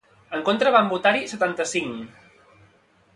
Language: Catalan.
En contra van votar-hi setanta-cinc.